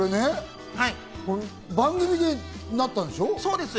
番組でなったんでしょ？